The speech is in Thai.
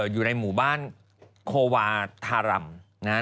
อยู่ในหมู่บ้านโควาทารำ